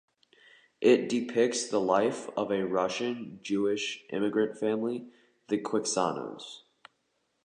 It depicts the life of a Russian-Jewish immigrant family, the Quixanos.